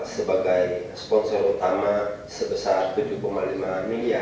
sebagai sponsor utama sebesar rp tujuh lima miliar